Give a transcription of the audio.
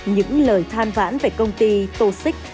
những lời than vãn về công ty tô xích